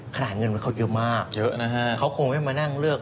ขนาดเงินมันเขาเยอะมากเขาคงไม่มานั่งเลือก